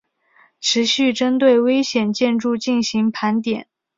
持续针对危险建筑进行盘点